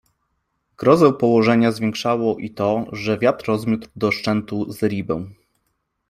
Grozę położenia zwiększało i to, że wiatr rozmiótł do szczętu zeribę.